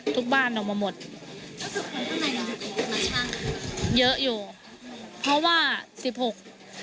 ทุกบ้านออกมาหมดรู้สึกเยอะอยู่เพราะว่าสิบหก